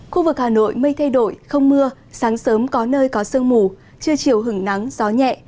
khu vực hà nội mây thay đổi không mưa sáng sớm có nơi có sương mù trưa chiều hứng nắng gió nhẹ